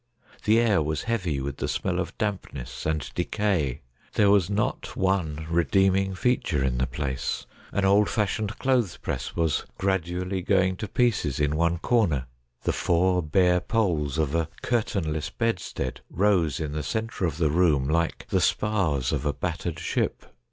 The air was heavy with the smell of dampness and decay. There was not one redeeming feature in the place. An old fashioned clothes press was gradually going to pieces in one corner. The four bare poles of a curtainless bedstead rose in the centre of the room like the spars of a battered ship.